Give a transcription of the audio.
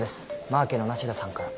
マーケの梨田さんから。